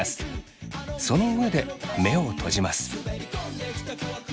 その上で目を閉じます。